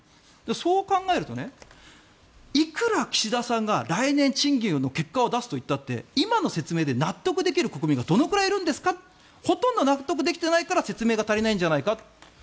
そう考えるといくら岸田さんが来年、賃金で結果を出すと言っても今の説明で納得できる国民がどのくらいいるんですかほとんど納得できていないから説明が足りないんじゃないか。